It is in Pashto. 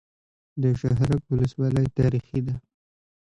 د شهرک ولسوالۍ تاریخي ده